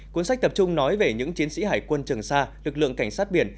cuốn sách tập trung nói về những chiến sĩ hải quân trường xa lực lượng cảnh sát biển